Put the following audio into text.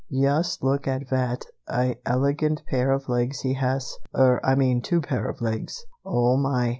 Yust look at vat a elegant pair of legs he has, er, I mean two pair of legs! Oh, my!